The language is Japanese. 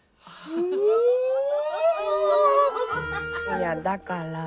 いやだから。